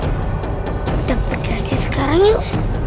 kita pergi saja sekarang yuk